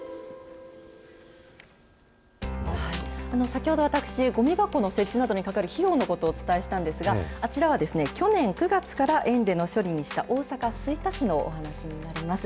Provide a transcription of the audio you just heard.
先ほど私、ごみ箱の設置などにかかる費用のことをお伝えしたんですが、あちらは去年９月から園での処理にした大阪・吹田市のお話になります。